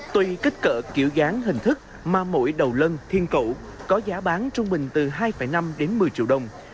tùy kích cỡ kiểu dáng hình thức mà mỗi đầu lân thiên cậu có giá bán trung bình từ hai năm đến một mươi triệu đồng